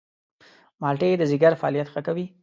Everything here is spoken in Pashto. مالټې د ځيګر فعالیت ښه کوي.